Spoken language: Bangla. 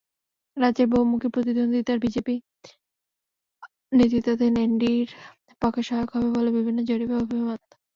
রাজ্যে বহুমুখী প্রতিদ্বন্দ্বিতা বিজেপি নেতৃত্বাধীন এনডিএর পক্ষে সহায়ক হবে বলে বিভিন্ন জরিপের অভিমত।